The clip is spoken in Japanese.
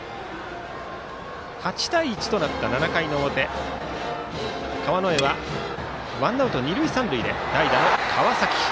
８対１となった７回の表川之江はワンアウト二塁三塁で代打の川崎。